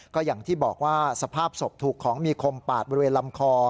ก็อย่างที่บอกว่าสภาพศพถูกของมีคมปาดบริเวณลำคอ